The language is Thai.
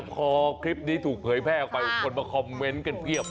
พอคลิปนี้ถูกเหย้อไปคนมาคอมเม้นต์ขึ้นเปียบ